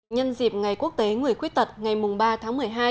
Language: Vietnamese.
nhân dịp ngày quốc tế người khuyết tật ngày ba tháng một mươi hai